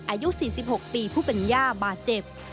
อายุ๔๖ปีผู้เป็นย่าบาดเจ็บ